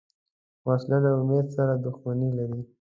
وسله له امید سره دښمني لري